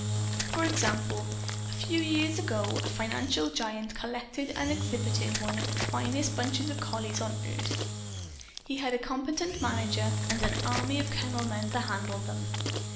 For example, a few years ago, a financial giant collected and exhibited one of the finest bunches of collies on earth. He had a competent manager and an army of kennel men to handle them.